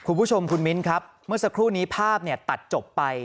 คุณผู้ชมคุณมิ้นครับพ่อเนี่ยตัดจบไป